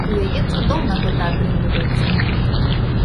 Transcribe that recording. У яе цудоўна гэта атрымліваецца.